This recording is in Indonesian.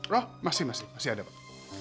wah masih masih masih ada pak